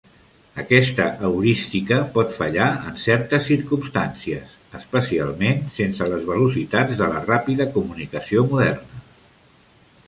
Aquesta heurística pot fallar en certes circumstàncies, especialment sense les velocitats de la ràpida comunicació moderna.